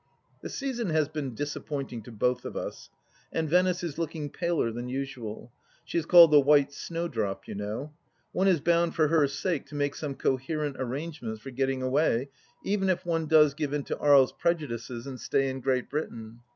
The season has been disappointing to both of us, and Venice is looking paler than usual — she is called The White Snow drop, you know. One is bound for her sake to make some coherent arrangements for getting away, even if one does give in to Aries' prejudices and stay in Great Britain.